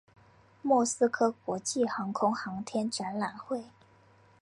莫斯科国际航空航天展览会。